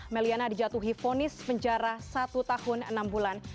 may liana dijatuhi fonis penjara satu tahun enam bulan